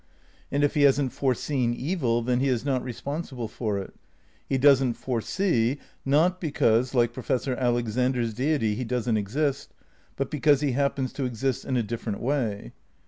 And if he hasn't foreseen evil, then he is not responsible for it. He doesn't foresee, not, because, like Professor Alexander's Deity, he doesn't exist, but because he happens to exist in a different way.